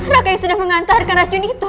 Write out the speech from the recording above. mereka yang sudah mengantarkan racun itu